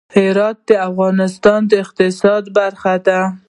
هرات د افغانستان د اقتصاد برخه ده.